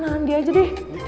nahan dia aja deh